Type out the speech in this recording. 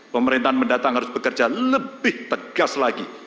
pemerintahan mendatang harus bekerja lebih tegas lagi